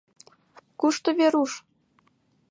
— Кушто Веруш?